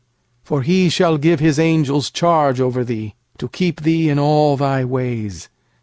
uFor He will give His angels charge over thee, To keep thee in all thy ways.